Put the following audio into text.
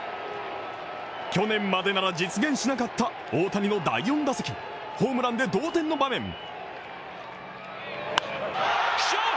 去年までなら実現しなかった大谷の第４打席ホームランで同点の場面。